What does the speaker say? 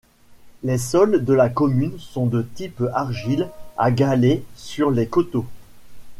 Les sols de la commune sont de type argile à galets sur les coteaux.